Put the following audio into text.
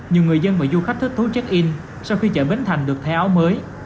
nhiều người dân và du khách thích thú check in sau khi chợ bến thành được thay áo mới